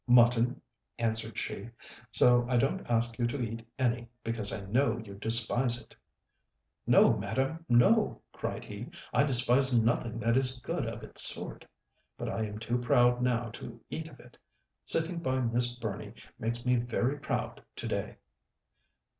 "Mutton," answered she, "so I don't ask you to eat any, because I know you despise it!" "No, madam, no," cried he; "I despise nothing that is good of its sort; but I am too proud now to eat of it. Sitting by Miss Burney makes me very proud to day!"